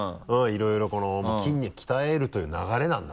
いろいろこの筋肉鍛えるという流れなんだ